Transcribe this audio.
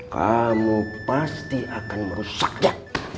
kamu pasti akan merusaknya